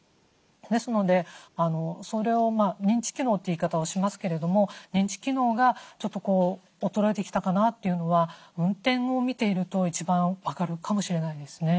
ですのでそれを認知機能という言い方をしますけれども認知機能がちょっと衰えてきたかなというのは運転を見ていると一番分かるかもしれないですね。